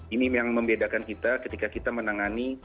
ini yang membedakan kita ketika kita menangani